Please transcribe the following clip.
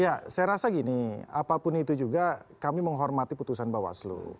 ya saya rasa gini apapun itu juga kami menghormati putusan bawaslu